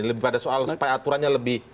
lebih pada soal supaya aturannya lebih